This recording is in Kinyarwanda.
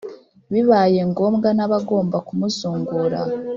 Bibaye ngombwa n abagomba kumuzungura